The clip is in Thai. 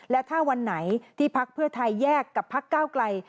และถ้าวันไหนที่พักเพื่อไทยแยกกับพักก้าวไกล